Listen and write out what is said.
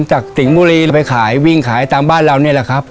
จากสิ่งบุรีไปขายวิ่งขายตามบ้านเราเนี่ยแหละครับ